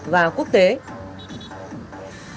và quốc gia